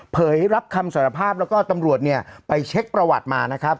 รับคำสารภาพแล้วก็ตำรวจเนี่ยไปเช็คประวัติมานะครับ